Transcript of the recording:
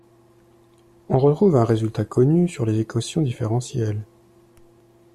On retrouve un résultat connu sur les équations différentielles.